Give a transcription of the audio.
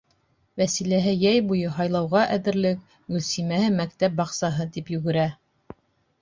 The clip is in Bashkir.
Вәсиләһе йәй буйы һайлауға әҙерлек, Гөлсимәһе мәктәп баҡсаһы тип йүгерә.